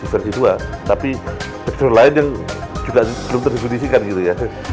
versi dua tapi backdoor lain yang juga belum terdudisikan gitu ya